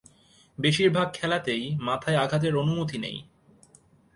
বেশিরভাগ খেলাতেই মাথায় আঘাতের অনুমতি নেই।